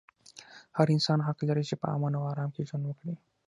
هر انسان حق لري چې په امن او ارام کې ژوند وکړي.